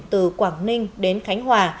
từ quảng ninh đến khánh hòa